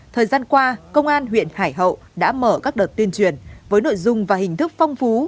thời gian qua công an huyện hải hậu đã mở các đợt tuyên truyền với nội dung và hình thức phong phú